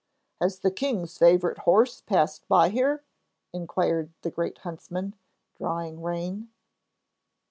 'Has the king's favourite horse passed by here?' inquired the great huntsman, drawing rein.